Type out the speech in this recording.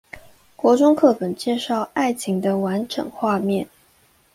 國中課本介紹愛情的完整畫面